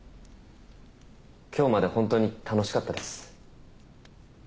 今日まで本当に楽しかったです。